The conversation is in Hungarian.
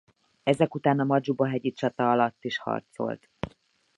Ezek után a Majuba-hegyi csata alatt is harcolt.